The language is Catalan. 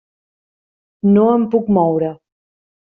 No em puc moure.